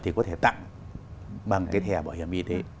thì có thể tặng bằng cái thẻ bảo hiểm y tế